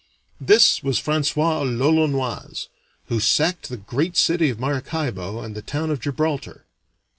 This was François l'Olonoise, who sacked the great city of Maracaibo and the town of Gibraltar.